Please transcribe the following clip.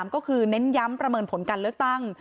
ก็คือเน้นย้ำประเมินผลการเลือกตั้ง